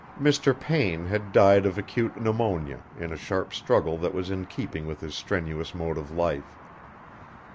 Mr. Payne had died of acute pneumonia in a sharp struggle that was in keeping with his strenuous mode of life.